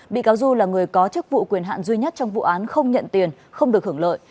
bị cáo du là người có chức vụ quyền hạn duy nhất trong vụ án không nhận tiền không được hưởng lợi